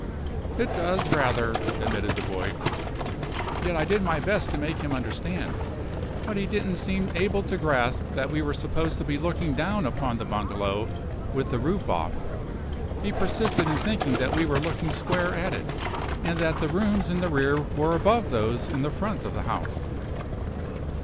"It does, rather," admitted the boy, "yet I did my best to make him understand. But he didn't seem able to grasp that we were supposed to be looking down upon the bungalow, with the roof off. He persisted in thinking that we were looking square at it, and that the rooms in the rear were above those in the front of the house."